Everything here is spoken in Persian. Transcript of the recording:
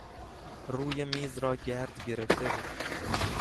روی میز را گرد گرفته بود.